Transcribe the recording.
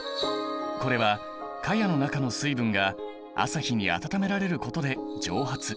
これはかやの中の水分が朝日に温められることで蒸発。